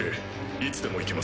いつでも行けます。